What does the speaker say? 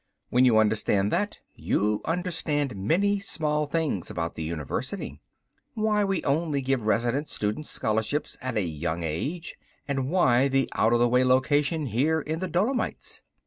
When you understand that, you understand many small things about the university. Why we give only resident student scholarships at a young age, and why the out of the way location here in the Dolomites.